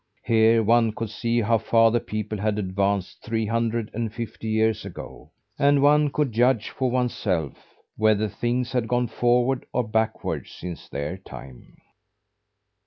Here one could see how far the people had advanced three hundred and fifty years ago; and one could judge for oneself whether things had gone forward or backward since their time.